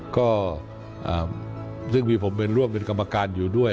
ก็ซึ่งมีผมเป็นร่วมเป็นกรรมการอยู่ด้วย